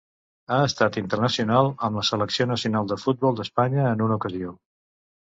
Ha estat internacional amb la selecció nacional de futbol d'Espanya en una ocasió.